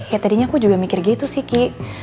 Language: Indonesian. ya tadinya aku juga mikir gitu sih ki